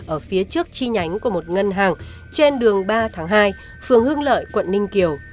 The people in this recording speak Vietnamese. ở phía trước chi nhánh của một ngân hàng trên đường ba tháng hai phường hưng lợi quận ninh kiều